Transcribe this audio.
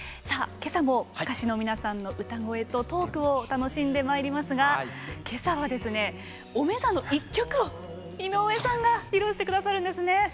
さあ今朝も歌手の皆さんの歌声とトークを楽しんでまいりますが今朝はですねおめざの一曲を井上さんが披露して下さるんですね。